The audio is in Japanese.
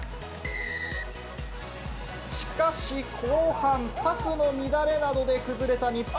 しかし、後半、パスの乱れなどで崩れた日本。